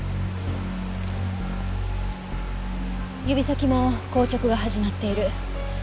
指先も硬直が始まっている。